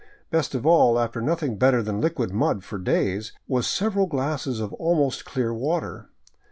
Best of all, after nothing better than liquid mud for days, was several glasses of almost clear water.